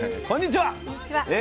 こんにちは。